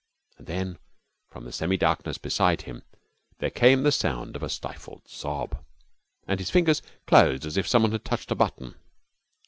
And then from the semi darkness beside him there came the sound of a stifled sob, and his fingers closed as if someone had touched a button.